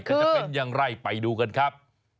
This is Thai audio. คือจะเป็นอย่างไรไปดูกันครับ